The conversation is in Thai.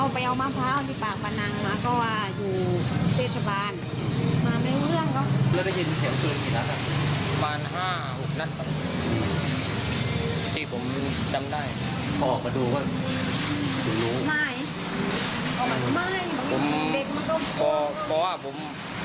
ไม่ไม่มันก็ว่าผม